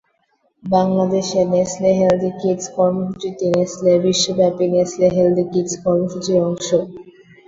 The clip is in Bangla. বাংলাদেশে নেসলে হেলদি কিডস কর্মসূচিটি নেসলের বিশ্বব্যাপী নেসলে হেলদি কিডস কর্মসূচির অংশ।